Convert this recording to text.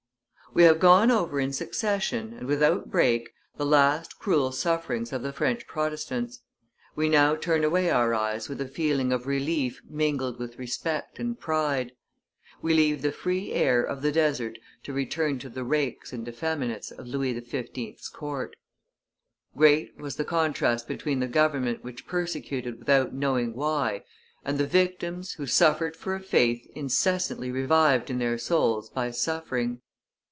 We have gone over in succession, and without break, the last cruel sufferings of the French Protestants; we now turn away our eyes with a feeling of relief mingled with respect and pride; we leave the free air of the desert to return to the rakes and effeminates of Louis XV.'s court. Great was the contrast between the government which persecuted without knowing why, and the victims who suffered for a faith incessantly revived in their souls by suffering.